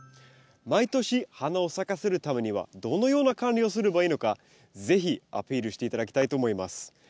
毎年花を咲かせるためにはどのような管理をすればいいのか是非アピールして頂きたいと思います。